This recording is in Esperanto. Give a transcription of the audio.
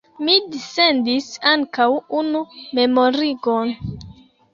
Mi dissendis ankaŭ unu memorigon.